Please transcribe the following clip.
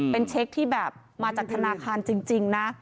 เป็นเช็คที่แบบมาจากธนาคารจริงนะ